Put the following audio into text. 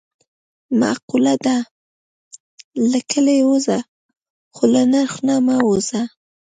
معقوله ده: له کلي ووځه خو له نرخ نه مه وځه.